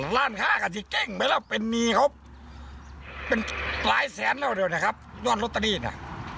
ร่านข้าก็จะเก้งไปแล้วเป็นนี่ครับเป็นหลายแสนแล้วเดี๋ยวนะครับย่อนโรตเตอรี่นะ